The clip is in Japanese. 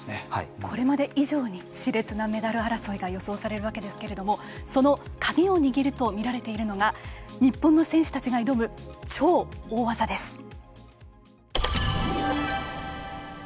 これまで以上にしれつなメダル争いが予想されるわけですけれどもその鍵を握るとみられているのが日本の選手たちが挑む超大技です。